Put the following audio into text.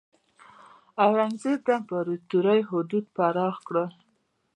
اورنګزیب د امپراتورۍ حدود پراخ کړل.